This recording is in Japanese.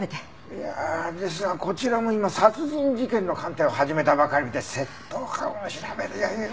いやですがこちらも今殺人事件の鑑定を始めたばかりで窃盗犯を調べる余裕は。